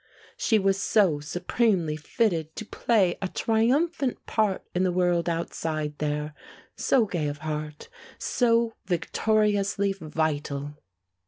She was so supremely fitted to play a triumphant part in the world outside there, so gay of heart, so victoriously vital.